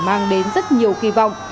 mang đến rất nhiều kỳ vọng